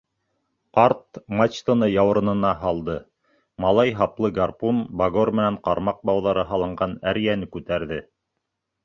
Ҡарт мачтаны яурынына һалды, малай һаплы гарпун, багор менән ҡармаҡ бауҙары һалынған әрйәне күтәрҙе.